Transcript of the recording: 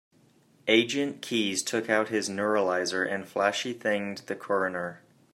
Agent Keys took out his neuralizer and flashy-thinged the coroner.